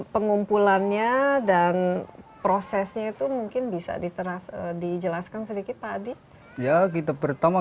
pengumpulannya dan prosesnya itu mungkin bisa diterasa dijelaskan sedikit tadi ya kita pertama